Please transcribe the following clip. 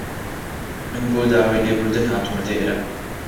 من بۆ داوای لێبوردن هاتوومەتە ئێرە.